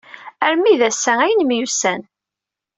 Armi d ass-a ay nemyussan.